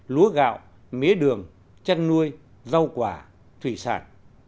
lúa gạo mía đường chăn nuôi rau quả thủy sản